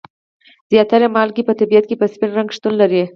زیاتره مالګې په طبیعت کې په سپین رنګ شتون لري.